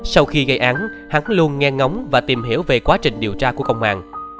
sau khi gây án hắn luôn nghe ngóng và tìm hiểu về quá trình điều tra của công an